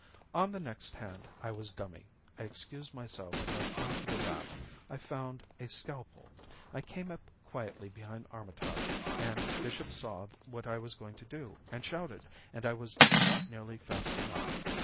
On the next hand I was dummy. I excused myself and went into the lab. I found a scalpel. I came up quietly behind Armitage and Bishop saw what I was going to do and shouted and I was not nearly fast enough.